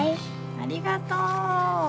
ありがとう。